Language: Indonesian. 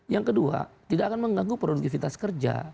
yang kedua tidak akan mengganggu produktivitas kerja